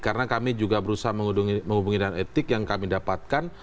karena kami juga berusaha menghubungi dengan etik yang kami dapatkan